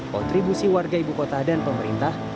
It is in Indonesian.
kontribusi warga ibu kota dan pemerintah